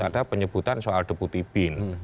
ada penyebutan soal deputi bin